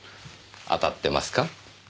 当たってますか？